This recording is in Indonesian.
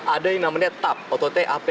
ada yang namanya tap